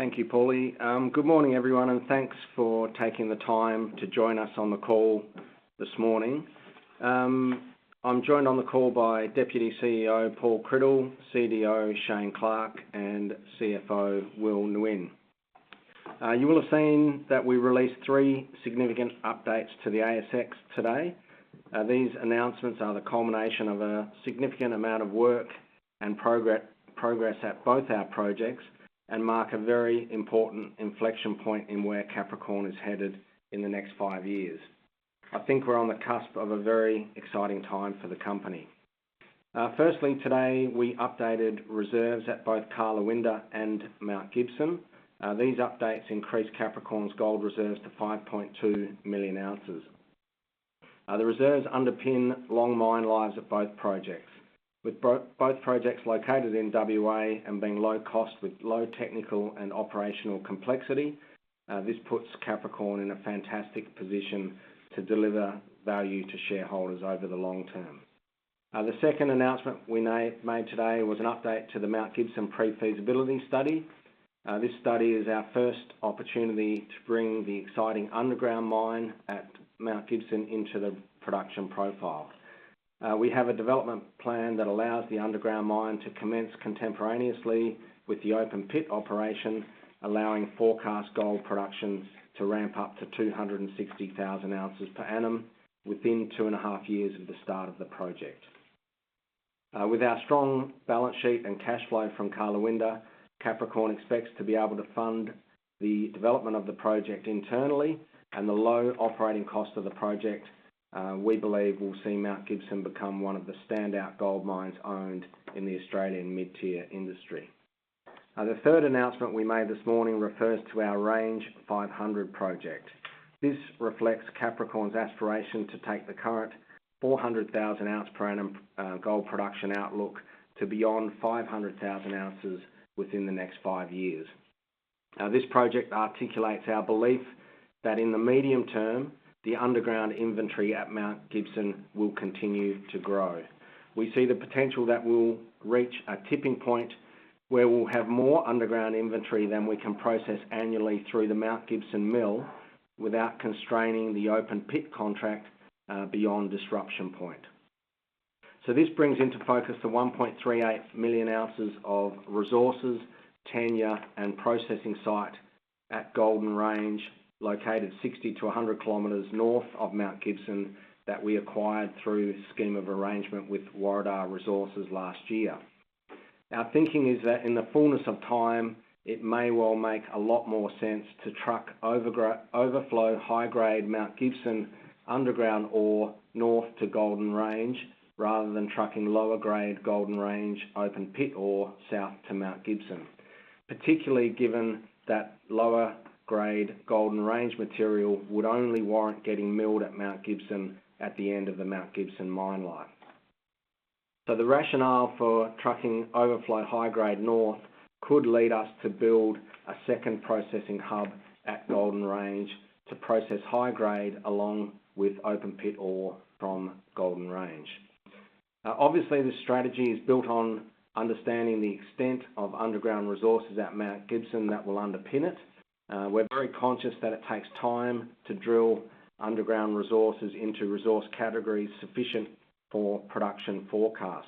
Thank you, Paulie. Good morning, everyone, and thanks for taking the time to join us on the call this morning. I am joined on the call by Deputy CEO, Paul Criddle, CDO, Shane Clark, and CFO, Will Nguyen. You will have seen that we released three significant updates to the ASX today. These announcements are the culmination of a significant amount of work and progress at both our projects and mark a very important inflection point in where Capricorn is headed in the next five years. I think we are on the cusp of a very exciting time for the company. Firstly, today, we updated reserves at both Karlawinda and Mount Gibson. These updates increase Capricorn's gold reserves to 5.2 million ounces. The reserves underpin long mine lives at both projects. With both projects located in WA and being low cost with low technical and operational complexity, this puts Capricorn in a fantastic position to deliver value to shareholders over the long term. The second announcement we made today was an update to the Mount Gibson Pre-Feasibility Study. This study is our first opportunity to bring the exciting underground mine at Mount Gibson into the production profile. We have a development plan that allows the underground mine to commence contemporaneously with the open pit operation, allowing forecast gold productions to ramp up to 260,000 ounces per annum within two and a half years of the start of the project. With our strong balance sheet and cash flow from Karlawinda, Capricorn expects to be able to fund the development of the project internally and the low operating cost of the project, we believe will see Mount Gibson become one of the standout gold mines owned in the Australian mid-tier industry. The third announcement we made this morning refers to our Range 500 project. This reflects Capricorn's aspiration to take the current 400,000 ounce per annum gold production outlook to beyond 500,000 ounces within the next five years. This project articulates our belief that in the medium term, the underground inventory at Mount Gibson will continue to grow. We see the potential that we will reach a tipping point where we will have more underground inventory than we can process annually through the Mount Gibson mill without constraining the open pit contract beyond disruption point. This brings into focus the 1.38 million ounces of resources, tenure, and processing site at Golden Range, located 60-100 kilometers north of Mount Gibson that we acquired through scheme of arrangement with Warriedar Resources last year. Our thinking is that in the fullness of time, it may well make a lot more sense to truck overflow high-grade Mount Gibson underground ore north to Golden Range rather than trucking lower grade Golden Range open pit ore south to Mount Gibson. Particularly given that lower grade Golden Range material would only warrant getting milled at Mount Gibson at the end of the Mount Gibson mine life. The rationale for trucking overflow high-grade north could lead us to build a second processing hub at Golden Range to process high-grade along with open pit ore from Golden Range. Obviously, this strategy is built on understanding the extent of underground resources at Mount Gibson that will underpin it. We're very conscious that it takes time to drill underground resources into resource categories sufficient for production forecasts.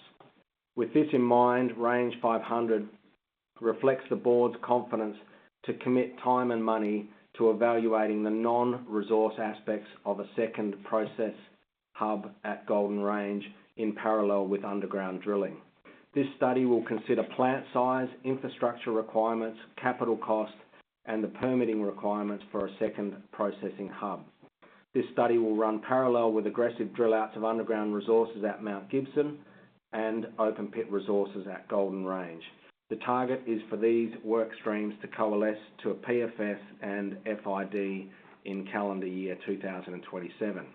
With this in mind, Range 500 reflects the board's confidence to commit time and money to evaluating the non-resource aspects of a second process hub at Golden Range in parallel with underground drilling. This study will consider plant size, infrastructure requirements, capital cost, and the permitting requirements for a second processing hub. This study will run parallel with aggressive drill outs of underground resources at Mount Gibson and open pit resources at Golden Range. The target is for these work streams to coalesce to a PFS and FID in calendar year 2027.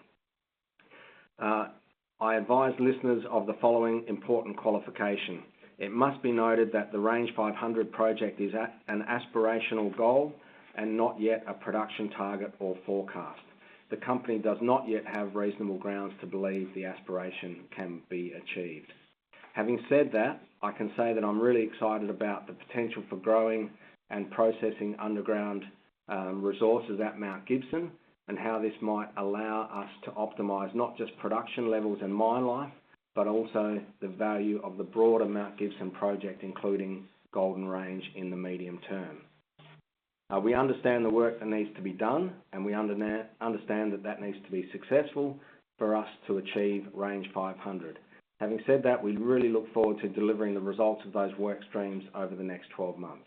I advise listeners of the following important qualification. It must be noted that the Range 500 project is an aspirational goal and not yet a production target or forecast. The company does not yet have reasonable grounds to believe the aspiration can be achieved. Having said that, I can say that I'm really excited about the potential for growing and processing underground resources at Mount Gibson and how this might allow us to optimize not just production levels and mine life, but also the value of the broader Mount Gibson project, including Golden Range in the medium term. We understand the work that needs to be done, and we understand that that needs to be successful for us to achieve Range 500. Having said that, we really look forward to delivering the results of those work streams over the next 12 months.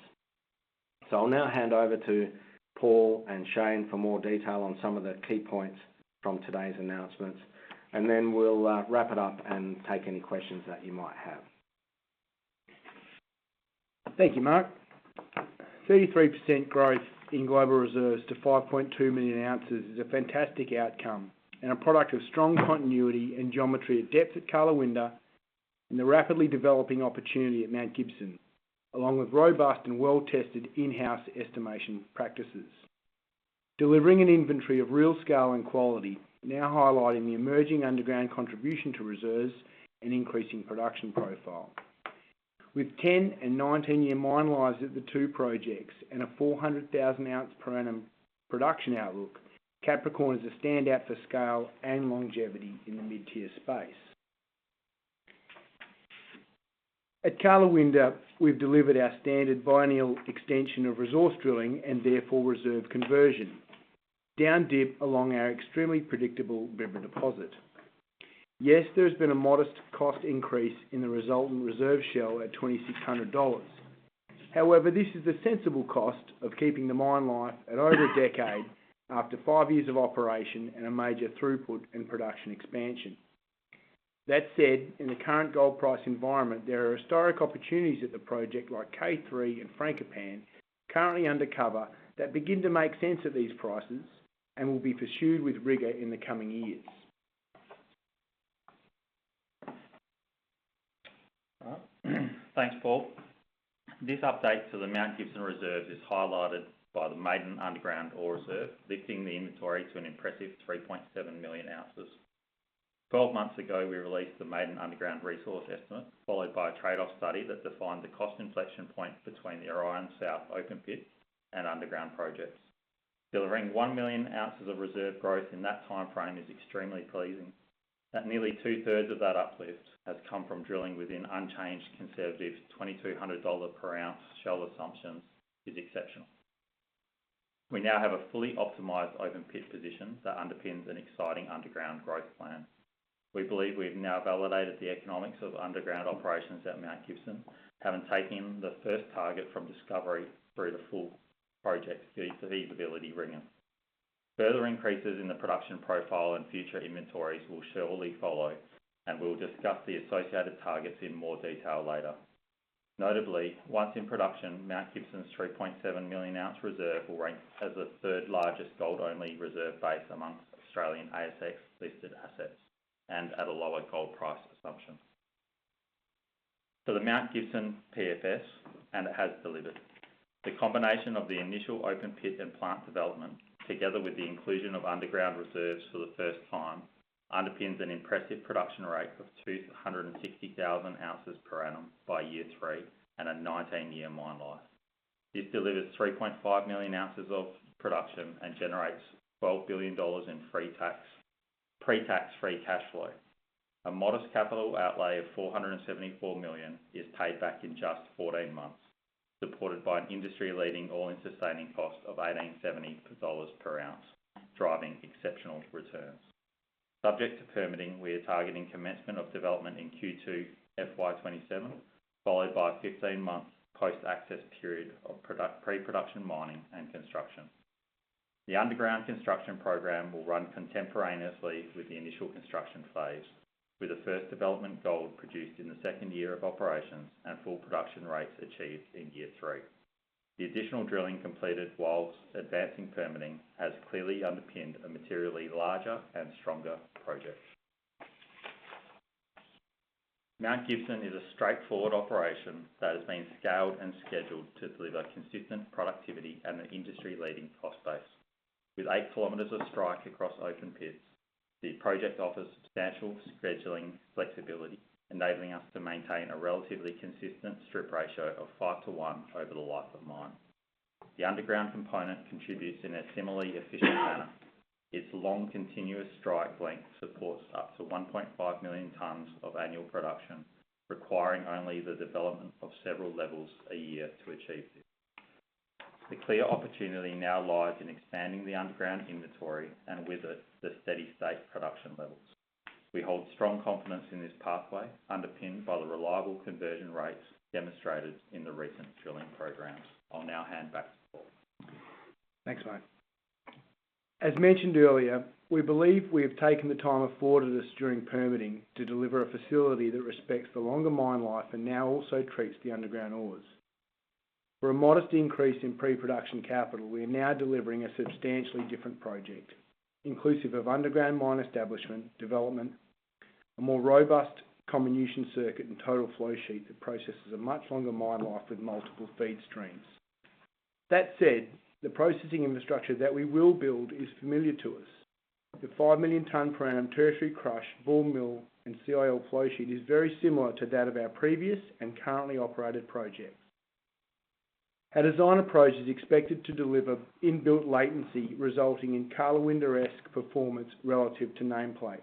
I'll now hand over to Paul and Shane for more detail on some of the key points from today's announcements, and then we'll wrap it up and take any questions that you might have. Thank you, Mark. 33% growth in global reserves to 5.2 million ounces is a fantastic outcome and a product of strong continuity and geometry at depth at Karlawinda and the rapidly developing opportunity at Mount Gibson, along with robust and well-tested in-house estimation practices. Delivering an inventory of real scale and quality, now highlighting the emerging underground contribution to reserves and increasing production profile. With 10 and 19-year mine lives at the two projects and a 400,000 ounce per annum production outlook, Capricorn is a standout for scale and longevity in the mid-tier space. At Karlawinda, we've delivered our standard biennial extension of resource drilling and therefore reserve conversion, down dip along our extremely predictable river deposit. Yes, there's been a modest cost increase in the resultant reserve shell at 2,600 dollars. However, this is the sensible cost of keeping the mine life at over a decade after five years of operation and a major throughput in production expansion. That said, in the current gold price environment, there are historic opportunities at the project like K3 and Francopan, currently undercover, that begin to make sense at these prices and will be pursued with rigor in the coming years. All right. Thanks, Paul. This update to the Mount Gibson reserve is highlighted by the maiden underground ore reserve, lifting the inventory to an impressive 3.7 million ounces. 12 months ago, we released the maiden underground resource estimate, followed by a trade-off study that defined the cost inflection point between the Orion South open pit and underground projects. Delivering 1 million ounces of reserve growth in that timeframe is extremely pleasing. That nearly two-thirds of that uplift has come from drilling within unchanged conservative 2,200 dollar per ounce shell assumptions is exceptional. We now have a fully optimized open pit position that underpins an exciting underground growth plan. We believe we've now validated the economics of underground operations at Mount Gibson, having taken the first target from discovery through to full project feasibility rigor. Further increases in the production profile and future inventories will surely follow, and we'll discuss the associated targets in more detail later. Notably, once in production, Mount Gibson's 3.7 million ounce reserve will rank as the third largest gold-only reserve base amongst Australian ASX-listed assets and at a lower gold price assumption. For the Mount Gibson PFS, it has delivered. The combination of the initial open pit and plant development, together with the inclusion of underground reserves for the first time, underpins an impressive production rate of 260,000 ounces per annum by year three and a 19-year mine life. This delivers 3.5 million ounces of production and generates 12 billion dollars in pre-tax free cash flow. A modest capital outlay of 474 million is paid back in just 14 months, supported by an industry-leading all-in sustaining cost of 1,870 dollars per ounce, driving exceptional returns. Subject to permitting, we are targeting commencement of development in Q2 FY27, followed by a 15-month post-access period of pre-production mining and construction. The underground construction program will run contemporaneously with the initial construction phase, with the first development gold produced in the second year of operations and full production rates achieved in year three. The additional drilling completed whilst advancing permitting has clearly underpinned a materially larger and stronger project. Mount Gibson is a straightforward operation that has been scaled and scheduled to deliver consistent productivity at an industry-leading cost base. With eight kilometers of strike across open pits, the project offers substantial scheduling flexibility, enabling us to maintain a relatively consistent stripping ratio of 5 to 1 over the life of mine. The underground component contributes in a similarly efficient manner. Its long, continuous strike length supports up to 1.5 million tonnes of annual production, requiring only the development of several levels a year to achieve this. The clear opportunity now lies in expanding the underground inventory and with it, the steady state production levels. We hold strong confidence in this pathway, underpinned by the reliable conversion rates demonstrated in the recent drilling programs. I'll now hand back to Paul. Thanks, mate. As mentioned earlier, we believe we have taken the time afforded us during permitting to deliver a facility that respects the longer mine life and now also treats the underground ores. For a modest increase in pre-production capital, we are now delivering a substantially different project, inclusive of underground mine establishment, development, a more robust comminution circuit, and total flow sheet that processes a much longer mine life with multiple feed streams. Said, the processing infrastructure that we will build is familiar to us. The 5 million tonnes per annum tertiary crush ball mill and CIL flow sheet is very similar to that of our previous and currently operated projects. Our design approach is expected to deliver inbuilt latency, resulting in Karlawinda-esque performance relative to nameplate.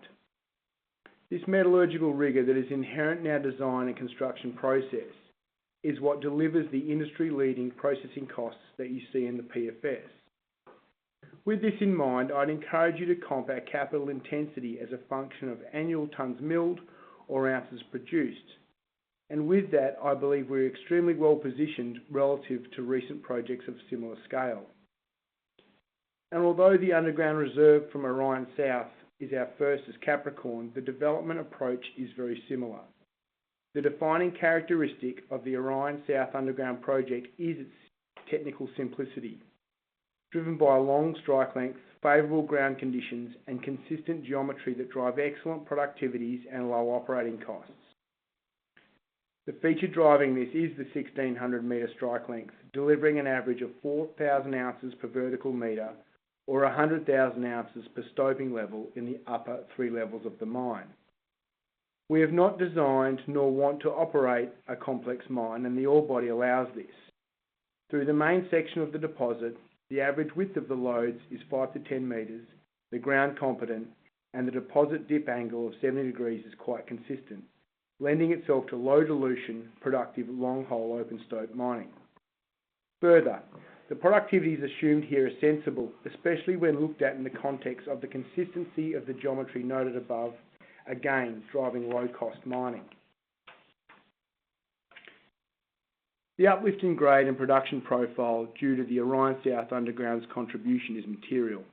This metallurgical rigor that is inherent in our design and construction process is what delivers the industry-leading processing costs that you see in the PFS. With this in mind, I'd encourage you to comp our capital intensity as a function of annual tonnes milled or ounces produced. With that, I believe we're extremely well-positioned relative to recent projects of similar scale. Although the underground reserve from Orion South is our first as Capricorn, the development approach is very similar. The defining characteristic of the Orion South underground project is its technical simplicity, driven by long strike lengths, favorable ground conditions, and consistent geometry that drive excellent productivities and low operating costs. The feature driving this is the 1,600-meter strike length, delivering an average of 4,000 ounces per vertical meter or 100,000 ounces per stoping level in the upper 3 levels of the mine. We have not designed nor want to operate a complex mine. The ore body allows this. Through the main section of the deposit, the average width of the loads is 5 to 10 meters, the ground competent, and the deposit dip angle of 70 degrees is quite consistent, lending itself to low dilution, productive long-hole open-stoping mining. Further, the productivities assumed here are sensible, especially when looked at in the context of the consistency of the geometry noted above, again, driving low-cost mining. The uplift in grade and production profile due to the Orion South underground's contribution is material.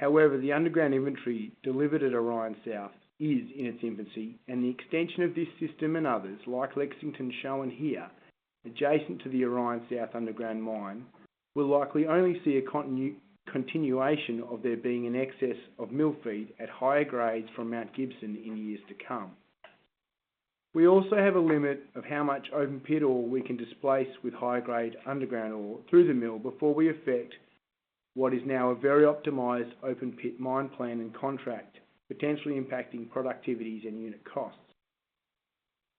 The underground inventory delivered at Orion South is in its infancy and the extension of this system and others like Lexington shown here, adjacent to the Orion South underground mine, will likely only see a continuation of there being an excess of mill feed at higher grades from Mount Gibson in years to come. We also have a limit of how much open pit ore we can displace with higher grade underground ore through the mill before we affect what is now a very optimized open pit mine plan and contract, potentially impacting productivities and unit costs.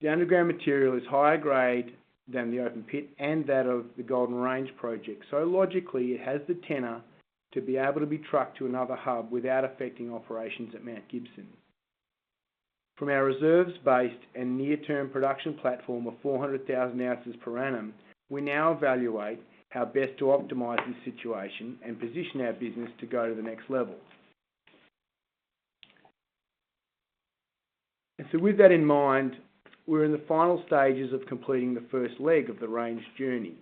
The underground material is higher grade than the open pit and that of the Golden Range project, logically it has the tenure to be able to be trucked to another hub without affecting operations at Mount Gibson. From our reserves base and near-term production platform of 400,000 ounces per annum, we now evaluate how best to optimize this situation and position our business to go to the next level. With that in mind, we're in the final stages of completing the first leg of the Range journey.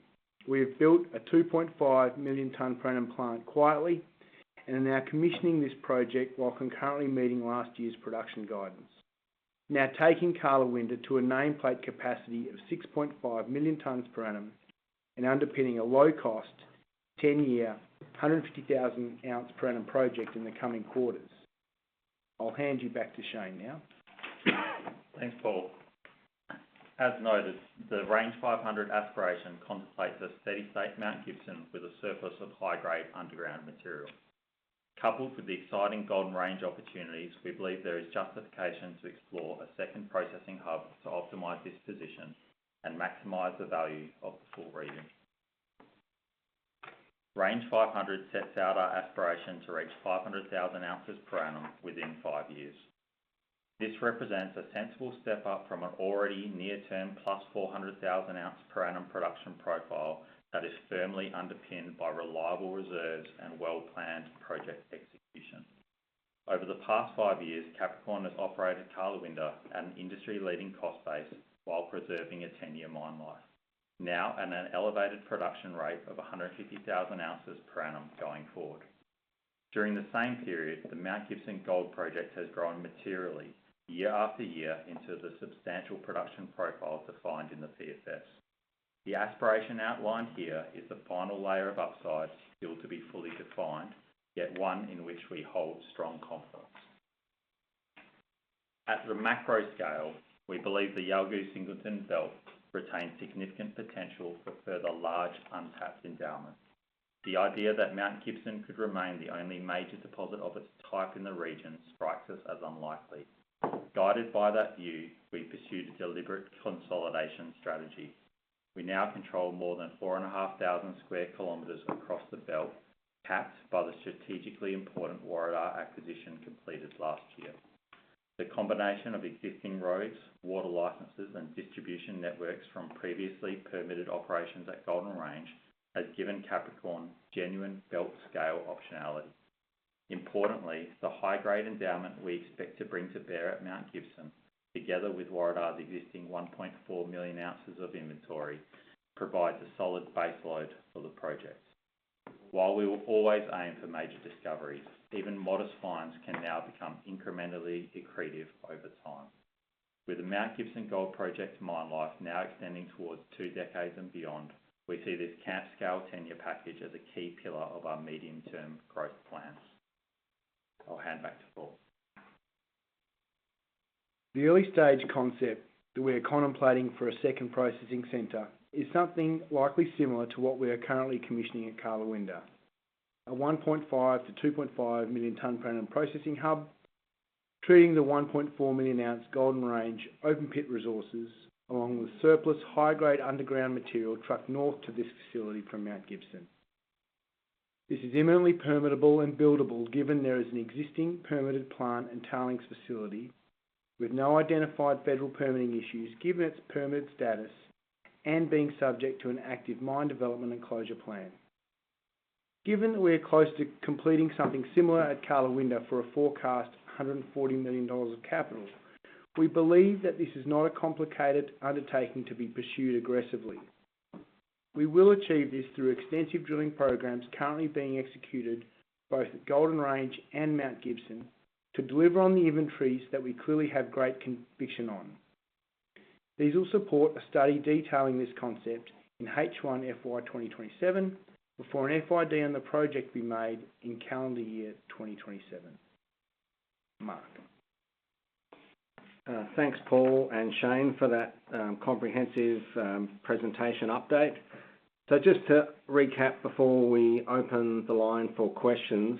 We have built a 2.5 million tonnes per annum plant quietly and are now commissioning this project while concurrently meeting last year's production guidance. Taking Karlawinda to a nameplate capacity of 6.5 million tonnes per annum and underpinning a low-cost, 10-year, 150,000 ounce per annum project in the coming quarters. I'll hand you back to Shane now. Thanks, Paul. As noted, the Range 500 aspiration contemplates a steady state Mount Gibson with a surplus of high-grade underground material. Coupled with the exciting Golden Range opportunities, we believe there is justification to explore a second processing hub to optimize this position and maximize the value of the full region. Range 500 sets out our aspiration to reach 500,000 ounces per annum within five years. This represents a sensible step up from an already near-term plus 400,000 ounce per annum production profile that is firmly underpinned by reliable reserves and well-planned project execution. Over the past five years, Capricorn has operated Karlawinda at an industry-leading cost base while preserving a 10-year mine life, now at an elevated production rate of 150,000 ounces per annum going forward. During the same period, the Mount Gibson Gold Project has grown materially year after year into the substantial production profile defined in the PFS. The aspiration outlined here is the final layer of upside still to be fully defined, yet one in which we hold strong confidence. At the macro scale, we believe the Yalgoo-Singleton Belt retains significant potential for further large untapped endowments. The idea that Mount Gibson could remain the only major deposit of its type in the region strikes us as unlikely. Guided by that view, we pursued a deliberate consolidation strategy. We now control more than 4,500 sq km across the belt, capped by the strategically important Warriedar acquisition completed last year. The combination of existing roads, water licenses, and distribution networks from previously permitted operations at Golden Range has given Capricorn genuine belt-scale optionality. Importantly, the high-grade endowment we expect to bring to bear at Mount Gibson, together with Warriedar's existing 1.4 million ounces of inventory, provides a solid baseload for the project. While we will always aim for major discoveries, even modest finds can now become incrementally accretive over time. With the Mount Gibson Gold Project's mine life now extending towards two decades and beyond, we see this cap-scale tenure package as a key pillar of our medium-term growth plans. I'll hand back to Paul. The early-stage concept that we are contemplating for a second processing center is something likely similar to what we are currently commissioning at Karlawinda. A 1.5 to 2.5 million tonnes per annum processing hub, treating the 1.4 million ounce Golden Range open pit resources along with surplus high-grade underground material trucked north to this facility from Mount Gibson. This is imminently permittable and buildable given there is an existing permitted plant and tailings facility with no identified federal permitting issues, given its permitted status and being subject to an active mine development and closure plan. Given that we are close to completing something similar at Karlawinda for a forecast 140 million dollars of capital, we believe that this is not a complicated undertaking to be pursued aggressively. We will achieve this through extensive drilling programs currently being executed both at Golden Range and Mount Gibson to deliver on the inventories that we clearly have great conviction on. These will support a study detailing this concept in H1 FY27 before an FID on the project be made in calendar year 2027. Mark. Thanks, Paul and Shane, for that comprehensive presentation update. Just to recap before we open the line for questions.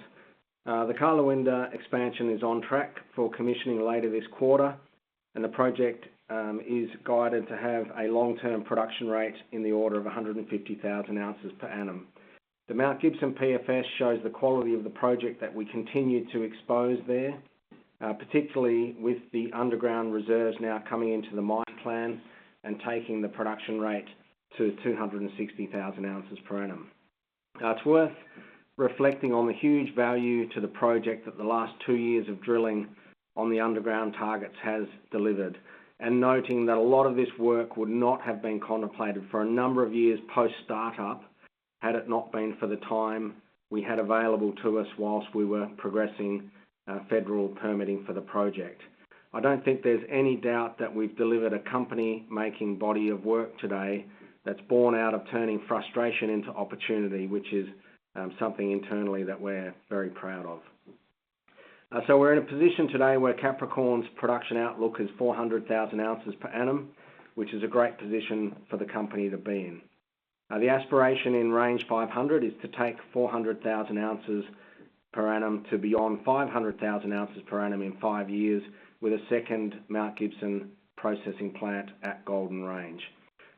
The Karlawinda expansion is on track for commissioning later this quarter, and the project is guided to have a long-term production rate in the order of 150,000 ounces per annum. The Mount Gibson PFS shows the quality of the project that we continue to expose there, particularly with the underground reserves now coming into the mine plan and taking the production rate to 260,000 ounces per annum. It's worth reflecting on the huge value to the project that the last two years of drilling on the underground targets has delivered. Noting that a lot of this work would not have been contemplated for a number of years post-startup had it not been for the time we had available to us whilst we were progressing federal permitting for the project. I don't think there's any doubt that we've delivered a company making body of work today that's born out of turning frustration into opportunity, which is something internally that we're very proud of. We're in a position today where Capricorn's production outlook is 400,000 ounces per annum, which is a great position for the company to be in. The aspiration in Range 500 is to take 400,000 ounces per annum to beyond 500,000 ounces per annum in five years with a second Mount Gibson processing plant at Golden Range.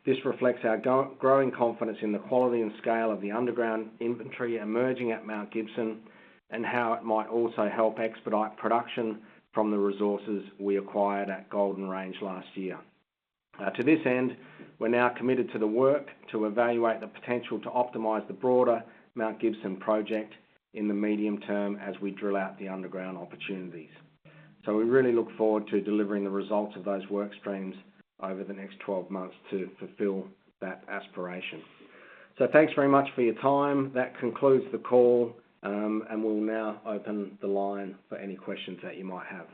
This reflects our growing confidence in the quality and scale of the underground inventory emerging at Mount Gibson and how it might also help expedite production from the resources we acquired at Golden Range last year. To this end, we're now committed to the work to evaluate the potential to optimize the broader Mount Gibson project in the medium term as we drill out the underground opportunities. We really look forward to delivering the results of those work streams over the next 12 months to fulfill that aspiration. Thanks very much for your time. That concludes the call. We'll now open the line for any questions that you might have.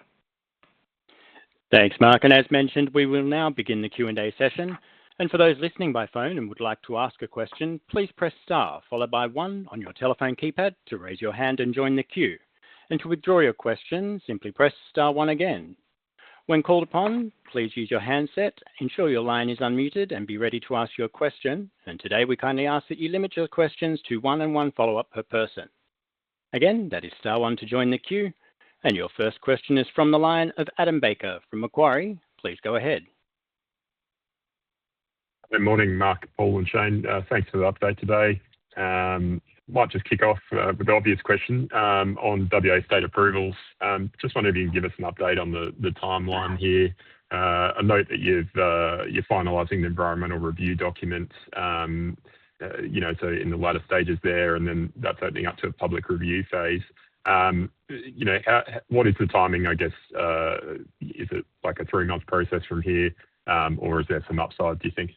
Thanks, Mark. As mentioned, we will now begin the Q&A session. For those listening by phone and would like to ask a question, please press star, followed by one on your telephone keypad to raise your hand and join the queue. To withdraw your question, simply press star one again. When called upon, please use your handset, ensure your line is unmuted, and be ready to ask your question. Today, we kindly ask that you limit your questions to one and one follow-up per person. Again, that is star one to join the queue. Your first question is from the line of Adam Baker from Macquarie. Please go ahead. Good morning, Mark, Paul, and Shane. Thanks for the update today. Might just kick off with the obvious question, on WA state approvals. Just wondering if you can give us an update on the timeline here. I note that you're finalizing the environmental review documents, so in the latter stages there. That's opening up to a public review phase. What is the timing, I guess? Is it like a three-month process from here? Or is there some upside, do you think?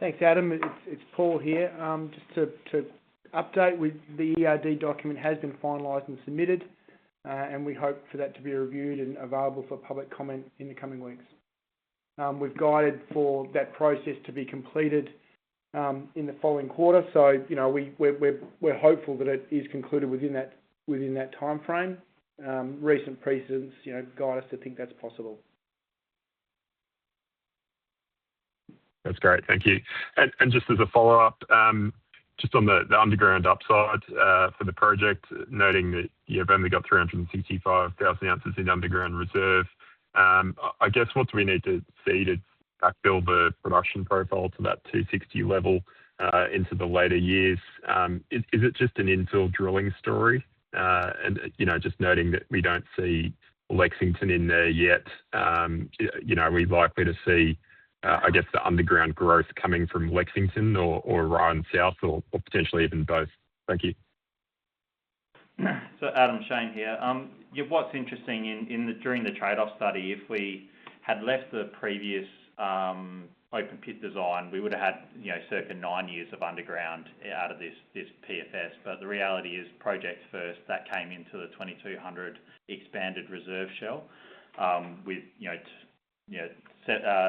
Thanks, Adam. It's Paul here. Just to update with the ERD document has been finalized and submitted. We hope for that to be reviewed and available for public comment in the coming weeks. We've guided for that process to be completed in the following quarter. We're hopeful that it is concluded within that time frame. Recent precedents guide us to think that's possible. That's great. Thank you. Just as a follow-up, just on the underground upside for the project, noting that you've only got 365,000 ounces in underground reserve. I guess what do we need to see to backfill the production profile to that 260 level, into the later years? Is it just an infill drilling story? Just noting that we don't see Lexington in there yet, are we likely to see, I guess the underground growth coming from Lexington or Orion South or potentially even both? Thank you. Adam, Shane here. What's interesting during the trade-off study, if we had left the previous open pit design, we would have had circa nine years of underground out of this PFS. The reality is project first, that came into the 2,200 expanded reserve shell. With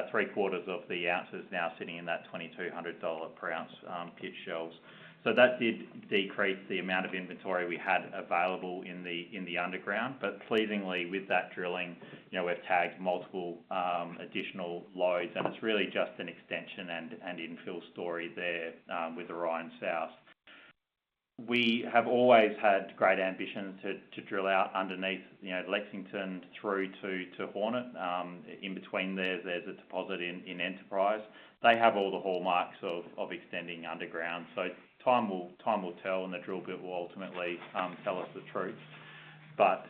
three-quarters of the ounces now sitting in that 2,200 dollar per ounce pit shells. That did decrease the amount of inventory we had available in the underground. Pleasingly, with that drilling, we've tagged multiple, additional loads, and it's really just an extension and infill story there, with Orion South. We have always had great ambitions to drill out underneath Lexington through to Hornet. In between there's a deposit in Enterprise. They have all the hallmarks of extending underground. Time will tell, and the drill bit will ultimately tell us the truth.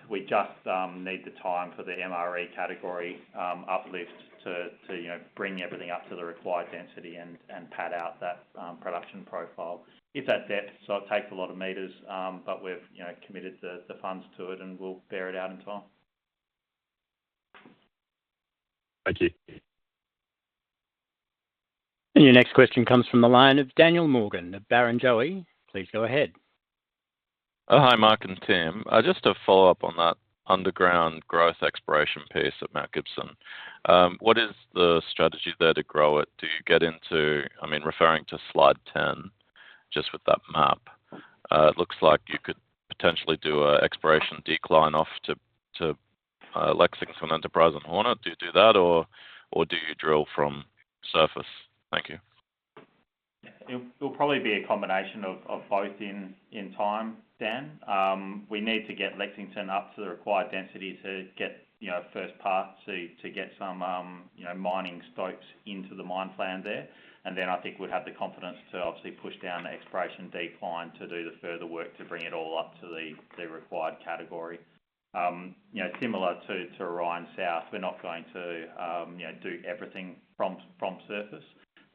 We just need the time for the MRE category uplift to bring everything up to the required density and pad out that production profile. It's at depth, so it takes a lot of meters, but we've committed the funds to it, and we'll bear it out in time. Thank you. Your next question comes from the line of Daniel Morgan of Barrenjoey. Please go ahead. Hi, Mark and team. Just to follow up on that underground growth exploration piece at Mount Gibson. What is the strategy there to grow it? Do you get into, I mean, referring to slide 10, just with that map. It looks like you could potentially do an exploration decline off to Lexington, Enterprise and Hornet. Do you do that or do you drill from surface? Thank you. It'll probably be a combination of both in time, Dan. We need to get Lexington up to the required density to get first part, to get some mining stopes into the mine plan there. Then I think we'd have the confidence to obviously push down the exploration decline to do the further work to bring it all up to the required category. Similar to Orion South, we're not going to do everything from surface,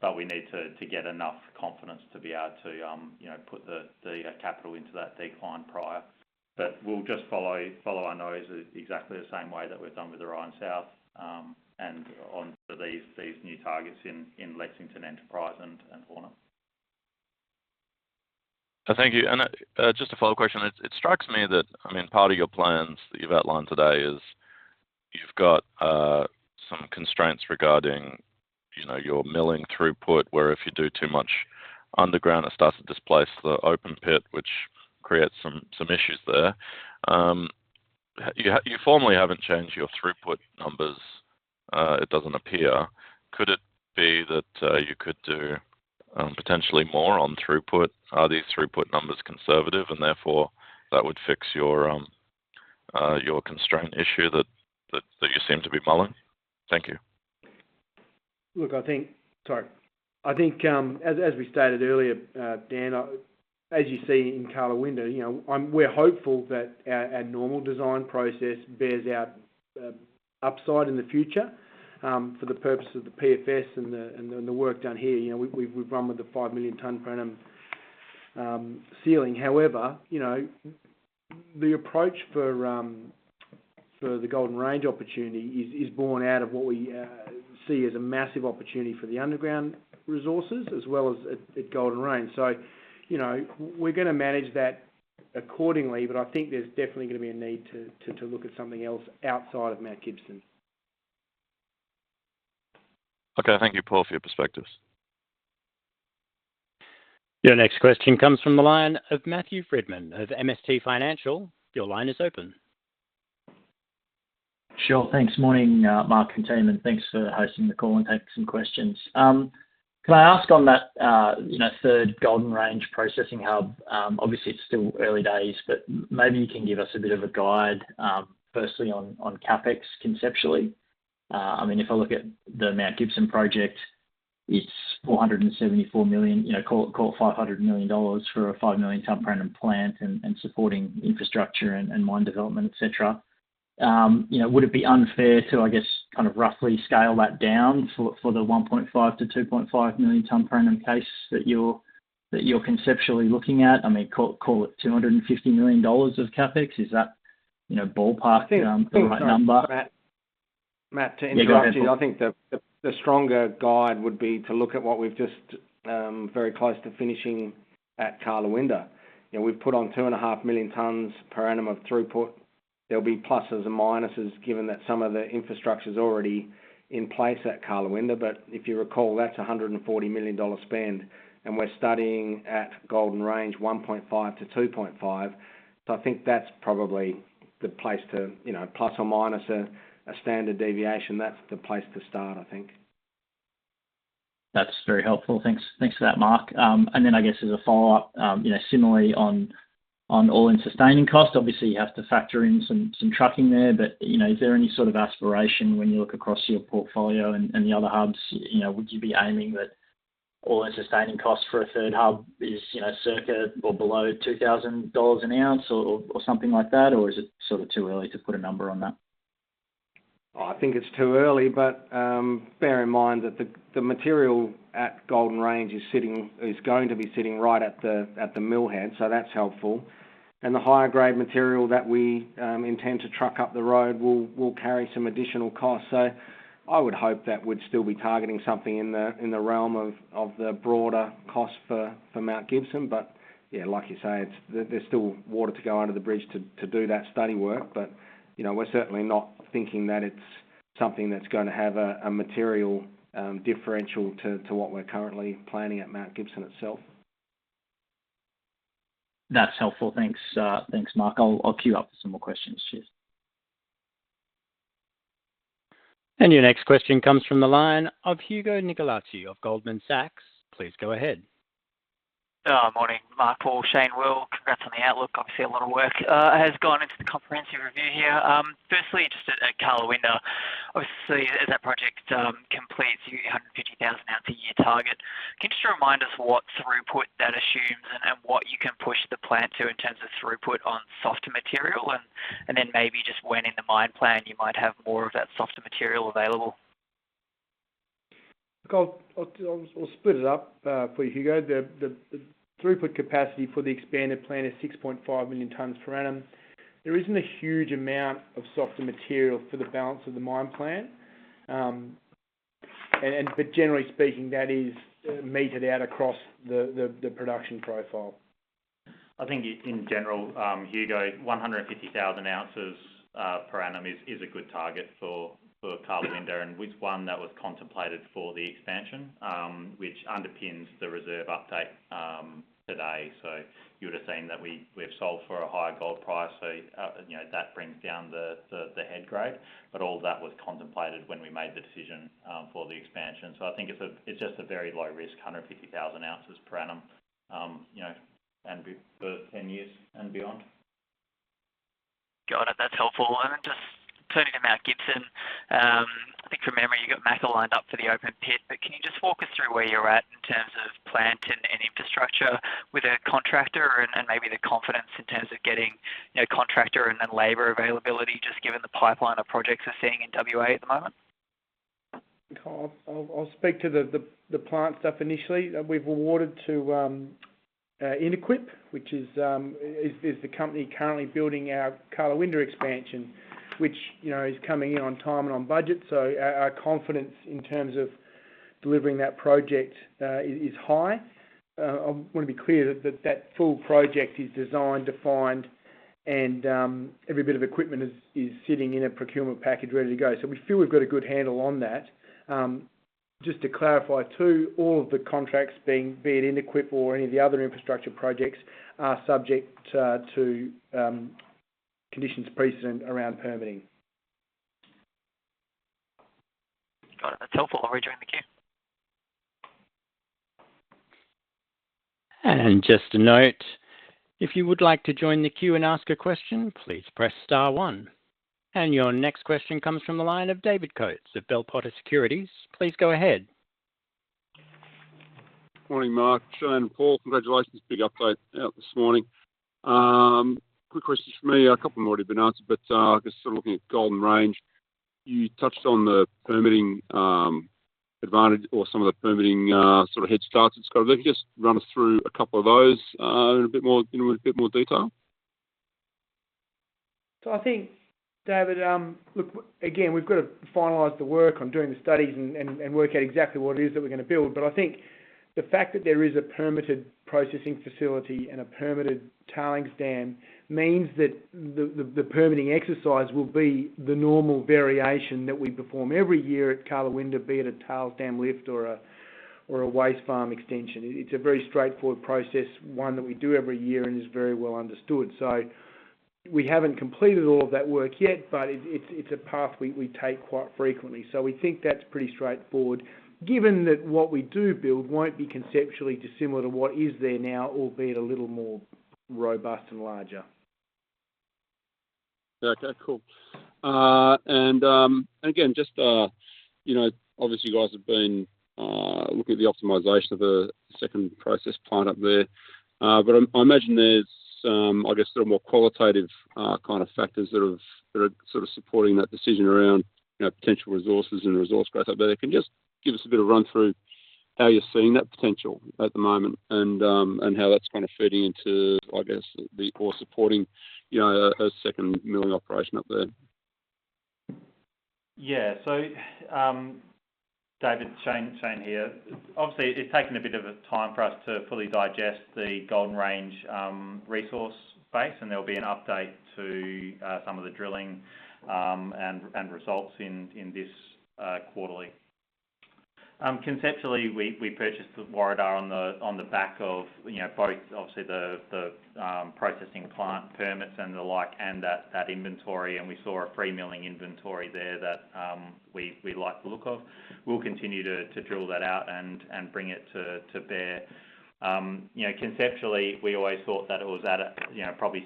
but we need to get enough confidence to be able to put the capital into that decline prior. We'll just follow our nose in exactly the same way that we've done with Orion South, and onto these new targets in Lexington, Enterprise and Hornet. Thank you. Just a follow-up question. It strikes me that part of your plans that you've outlined today is you've got some constraints regarding your milling throughput, where if you do too much underground, it starts to displace the open pit, which creates some issues there. You formerly haven't changed your throughput numbers, it doesn't appear. Could it be that you could do potentially more on throughput? Are these throughput numbers conservative and therefore that would fix your constraint issue that you seem to be mulling? Thank you. I think as we stated earlier, Dan, as you see in Karlawinda, we're hopeful that our normal design process bears out upside in the future. For the purpose of the PFS and the work done here, we've run with the 5 million tonnes per annum ceiling. However, the approach for the Golden Range opportunity is born out of what we see as a massive opportunity for the underground resources, as well as at Golden Range. We're going to manage that accordingly, but I think there's definitely going to be a need to look at something else outside of Mount Gibson. Okay. Thank you, Paul, for your perspectives. Your next question comes from the line of Matthew Frydman of MST Financial. Your line is open. Sure. Thanks. Morning, Mark and team, and thanks for hosting the call and taking some questions. Can I ask on that third Golden Range processing hub, obviously it's still early days, but maybe you can give us a bit of a guide, firstly on CapEx conceptually. If I look at the Mount Gibson project, it's 474 million, call it 500 million dollars for a 5 million tonnes per annum plant and supporting infrastructure and mine development, et cetera. Would it be unfair to, I guess, roughly scale that down for the 1.5 million-2.5 million tonnes per annum case that you're conceptually looking at? Call it 250 million dollars of CapEx. Is that ballpark the right number? Matt, to interrupt you. Yeah, go ahead, Mark. I think the stronger guide would be to look at what we're just very close to finishing at Karlawinda. We've put on 2.5 million tonnes per annum of throughput. There'll be pluses and minuses given that some of the infrastructure's already in place at Karlawinda, but if you recall, that's 140 million dollar spend, and we're studying at Golden Range 1.5-2.5. I think that's probably ± a standard deviation, that's the place to start, I think. That's very helpful. Thanks for that, Mark. I guess as a follow-up, similarly on all-in sustaining cost, obviously you have to factor in some trucking there, but is there any sort of aspiration when you look across your portfolio and the other hubs? Would you be aiming that all-in sustaining cost for a third hub is circa or below 2,000 dollars an ounce or something like that, or is it too early to put a number on that? I think it's too early, bear in mind that the material at Golden Range is going to be sitting right at the mill head, so that's helpful. The higher grade material that we intend to truck up the road will carry some additional costs. I would hope that we'd still be targeting something in the realm of the broader cost for Mount Gibson. Yeah, like you say, there's still water to go under the bridge to do that study work. We're certainly not thinking that it's something that's going to have a material differential to what we're currently planning at Mount Gibson itself. That's helpful. Thanks, Mark. I'll queue up for some more questions. Cheers. Your next question comes from the line of Hugo Nicolaci of Goldman Sachs. Please go ahead. Morning, Mark, Paul, Shane, Will. Congrats on the outlook. Obviously, a lot of work has gone into the comprehensive review here. Firstly, just at Karlawinda. Obviously, as that project completes your 150,000 ounce a year target, can you just remind us what throughput that assumes and what you can push the plant to in terms of throughput on softer material? Then maybe just when in the mine plan you might have more of that softer material available? Look, I'll split it up for you, Hugo. The throughput capacity for the expanded plant is 6.5 million tonnes per annum. There isn't a huge amount of softer material for the balance of the mine plan. Generally speaking, that is meted out across the production profile. I think in general, Hugo, 150,000 ounces per annum is a good target for Karlawinda, and was one that was contemplated for the expansion, which underpins the reserve update today. You would have seen that we've sold for a higher gold price. That brings down the head grade. All that was contemplated when we made the decision for the expansion. I think it's just a very low risk, 150,000 ounces per annum, and for 10 years and beyond. Got it. That's helpful. Just turning to Mount Gibson, I think from memory, you've got MACA lined up for the open pit, but can you just walk us through where you're at in terms of plant and infrastructure with a contractor and maybe the confidence in terms of getting, contractor and then labor availability, just given the pipeline of projects we're seeing in W.A. at the moment? I'll speak to the plant stuff initially. We've awarded to Interquip, which is the company currently building our Karlawinda expansion, which is coming in on time and on budget. Our confidence in terms of delivering that project, is high. I want to be clear that that full project is designed, defined, and every bit of equipment is sitting in a procurement package ready to go. We feel we've got a good handle on that. Just to clarify, too, all of the contracts, be it Interquip or any of the other infrastructure projects, are subject to conditions precedent around permitting. Got it. That's helpful. I'll return the queue. Just a note, if you would like to join the queue and ask a question, please press star one. Your next question comes from the line of David Coates of Bell Potter Securities. Please go ahead. Morning, Mark, Shane, and Paul. Congratulations. Big update out this morning. Quick questions from me. A couple have already been answered, but I guess sort of looking at Golden Range, you touched on the permitting advantage or some of the permitting sort of head starts it has got. If you could just run us through a couple of those in a bit more detail. I think, Dave, look, again, we have got to finalize the work on doing the studies and work out exactly what it is that we are going to build. I think the fact that there is a permitted processing facility and a permitted tailings dam means that the permitting exercise will be the normal variation that we perform every year at Karlawinda, be it a tails dam lift or a waste farm extension. It is a very straightforward process, one that we do every year and is very well understood. We have not completed all of that work yet, but it is a path we take quite frequently. We think that is pretty straightforward given that what we do build will not be conceptually dissimilar to what is there now, albeit a little more robust and larger. Okay, cool. Again, just obviously you guys have been looking at the optimization of a second process plant up there. I imagine there is some, I guess, sort of more qualitative kind of factors that are sort of supporting that decision around potential resources and resource growth. If you can just give us a bit of run through how you are seeing that potential at the moment and how that is kind of feeding into, I guess, or supporting a second milling operation up there. Yeah. Dave, Shane here. Obviously, it has taken a bit of time for us to fully digest the Golden Range resource base, and there will be an update to some of the drilling, and results in this quarterly. Conceptually, we purchased Warriedar on the back of both, obviously, the processing plant permits and the like, and that inventory, and we saw a free milling inventory there that we liked the look of. We will continue to drill that out and bring it to bear. Conceptually, we always thought that it was at a probably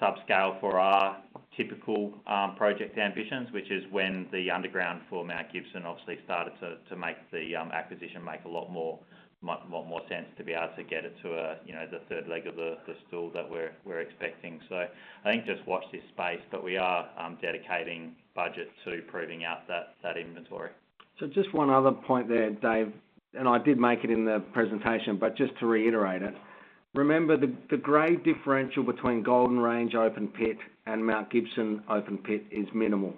subscale for our typical project ambitions, which is when the underground for Mount Gibson obviously started to make the acquisition make a lot more sense to be able to get it to the third leg of the stool that we are expecting. I think just watch this space, we are dedicating budget to proving out that inventory. Just one other point there, Dave, I did make it in the presentation, just to reiterate it. Remember, the grade differential between Golden Range open pit and Mount Gibson open pit is minimal.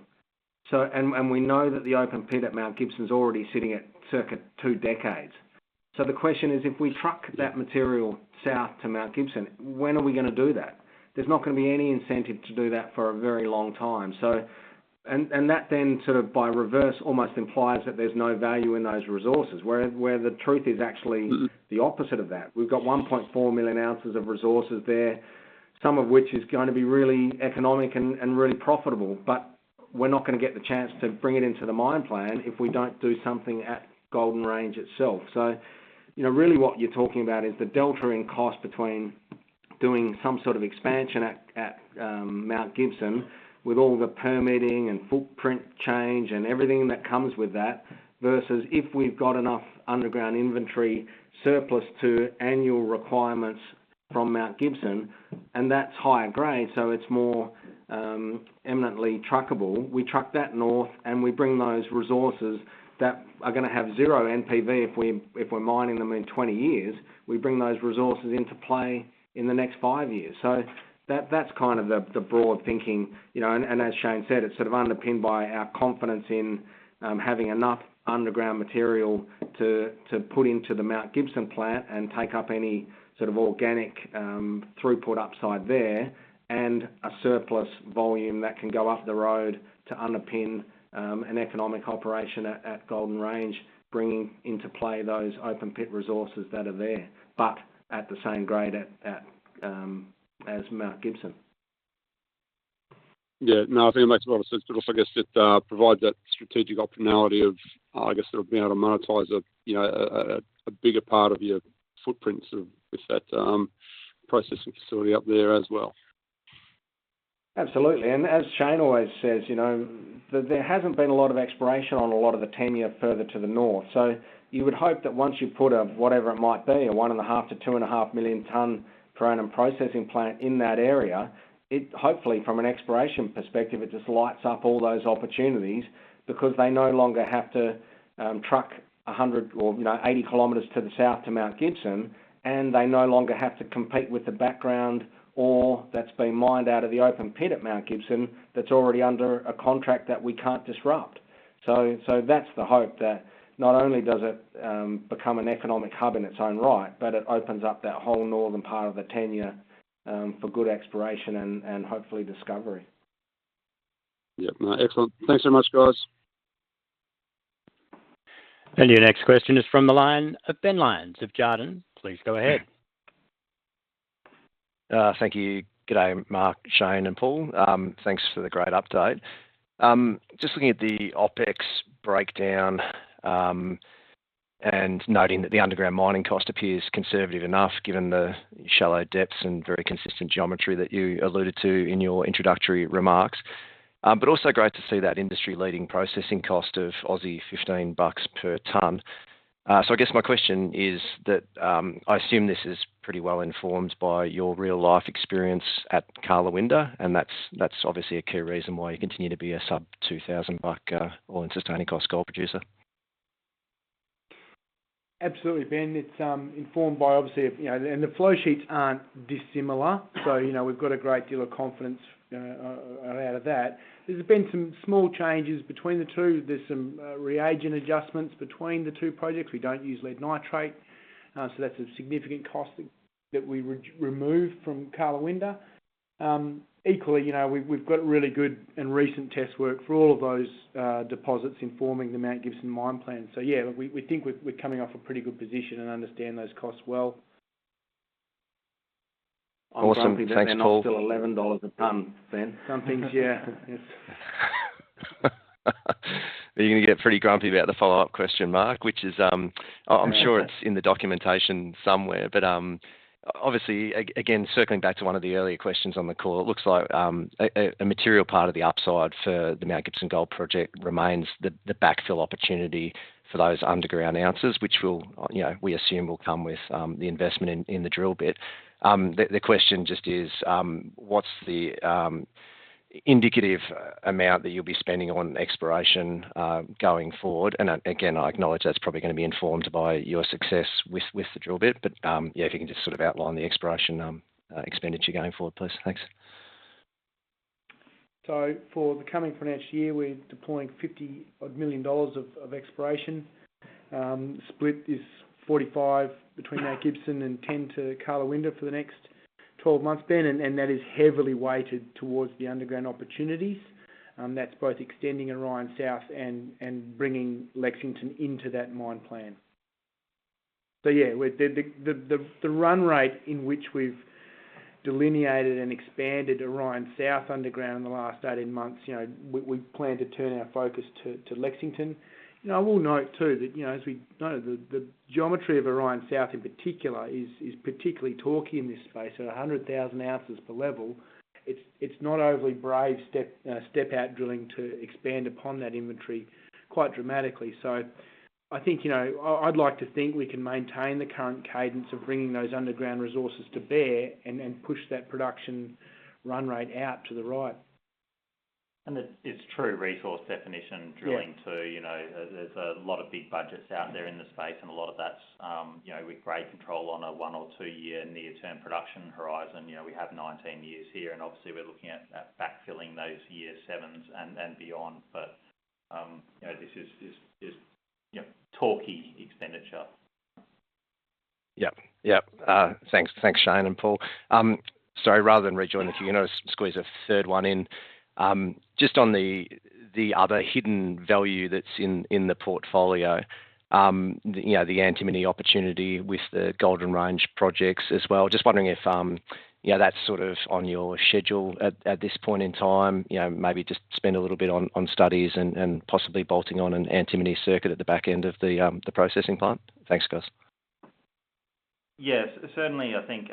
We know that the open pit at Mount Gibson's already sitting at circa two decades. The question is, if we truck that material south to Mount Gibson, when are we going to do that? There's not going to be any incentive to do that for a very long time. That then sort of by reverse almost implies that there's no value in those resources, where the truth is actually the opposite of that. We've got 1.4 million ounces of resources there, some of which is going to be really economic and really profitable, we're not going to get the chance to bring it into the mine plan if we don't do something at Golden Range itself. Really what you're talking about is the delta in cost between doing some sort of expansion at Mount Gibson with all the permitting and footprint change and everything that comes with that, versus if we've got enough underground inventory surplus to annual requirements from Mount Gibson, that's higher grade, it's more imminently trackable. We truck that north, we bring those resources that are going to have zero NPV if we're mining them in 20 years. We bring those resources into play in the next five years. That's kind of the broad thinking. As Shane said, it's sort of underpinned by our confidence in having enough underground material to put into the Mount Gibson plant take up any sort of organic throughput upside there a surplus volume that can go up the road to underpin an economic operation at Golden Range, bringing into play those open pit resources that are there, at the same grade as Mount Gibson. Yeah. No, I think it makes a lot of sense, also, I guess it provides that strategic optionality of being able to monetize a bigger part of your footprint with that processing facility up there as well. Absolutely. As Shane always says, there hasn't been a lot of exploration on a lot of the tenure further to the north. You would hope that once you put a, whatever it might be, a 1.5 million-2.5 million tonnes per annum processing plant in that area, it hopefully, from an exploration perspective, it just lights up all those opportunities because they no longer have to truck 100 or 80 kilometers to the south to Mount Gibson, and they no longer have to compete with the background ore that's been mined out of the open pit at Mount Gibson that's already under a contract that we can't disrupt. That's the hope, that not only does it become an economic hub in its own right, but it opens up that whole northern part of the tenure for good exploration and hopefully discovery. Yep. No, excellent. Thanks so much, guys. Your next question is from the line of Ben Lyons of Jarden. Please go ahead. Thank you. Good day, Mark, Shane, and Paul. Thanks for the great update. Just looking at the OpEx breakdown, and noting that the underground mining cost appears conservative enough given the shallow depths and very consistent geometry that you alluded to in your introductory remarks. Also great to see that industry-leading processing cost of 15 bucks per tonne. I guess my question is that, I assume this is pretty well informed by your real-life experience at Karlawinda, and that's obviously a key reason why you continue to be a sub-AUD 2,000 all-in sustaining cost gold producer. Absolutely, Ben. It's informed by obviously. The flow sheets aren't dissimilar, so we've got a great deal of confidence out of that. There's been some small changes between the two. There's some reagent adjustments between the two projects. We don't use lead nitrate, so that's a significant cost that we removed from Karlawinda. Equally, we've got really good and recent test work for all of those deposits informing the Mount Gibson mine plan. We think we're coming off a pretty good position and understand those costs well. Awesome. Thanks, Paul. I'm grumpy that they're not still 11 dollars a tonne, Ben. Some things, yeah. You're going to get pretty grumpy about the follow-up question, Mark, which is, I'm sure it's in the documentation somewhere, but obviously, again, circling back to one of the earlier questions on the call, it looks like a material part of the upside for the Mount Gibson Gold Project remains the backfill opportunity for those underground ounces, which we assume will come with the investment in the drill bit. The question just is, what's the indicative amount that you'll be spending on exploration, going forward? Again, I acknowledge that's probably going to be informed by your success with the drill bit. Yeah, if you can just sort of outline the exploration expenditure going forward, please. Thanks. For the coming financial year, we're deploying AUD 50 odd million of exploration. Split is 40 between Mount Gibson and 10 to Karlawinda for the next 12 months, Ben, that is heavily weighted towards the underground opportunities. That's both extending Orion South and bringing Lexington into that mine plan. Yeah, the run rate in which we've delineated and expanded Orion South underground in the last 18 months, we plan to turn our focus to Lexington. I will note, too, that as we know, the geometry of Orion South in particular is particularly torquey in this space at 100,000 ounces per level. It's not overly brave step-out drilling to expand upon that inventory quite dramatically. I'd like to think we can maintain the current cadence of bringing those underground resources to bear and push that production run rate out to the right. It's true resource definition drilling, too. There's a lot of big budgets out there in the space, a lot of that's with grade control on a one or two year near-term production horizon. We have 19 years here, obviously we're looking at backfilling those year sevens and beyond. This is torquey expenditure. Yep. Thanks, Shane and Paul. Sorry, rather than rejoin the queue, I'll squeeze a third one in. Just on the other hidden value that's in the portfolio, the antimony opportunity with the Golden Range projects as well. Just wondering if that's sort of on your schedule at this point in time. Maybe just spend a little bit on studies and possibly bolting on an antimony circuit at the back end of the processing plant. Thanks, guys. Yes. Certainly, I think,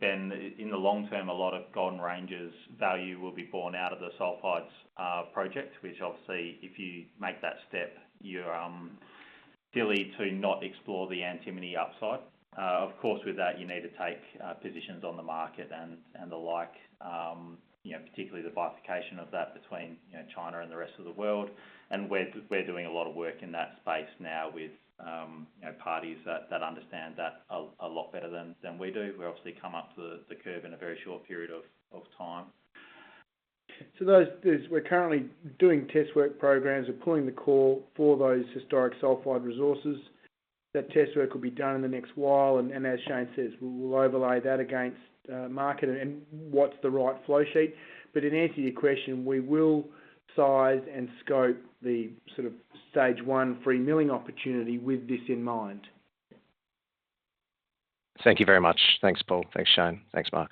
Ben, in the long term, a lot of Golden Range's value will be born out of the sulfides project, which obviously, if you make that step, you're silly to not explore the antimony upside. Of course, with that, you need to take positions on the market and the like, particularly the bifurcation of that between China and the rest of the world. We're doing a lot of work in that space now with parties that understand that a lot better than we do. We've obviously come up to the curve in a very short period of time. Those, we're currently doing test work programs. We're pulling the core for those historic sulfide resources. That test work will be done in the next while. As Shane says, we will overlay that against market and what's the right flow sheet. In answer to your question, we will size and scope the sort of stage 1 free milling opportunity with this in mind. Thank you very much. Thanks, Paul. Thanks, Shane. Thanks, Mark.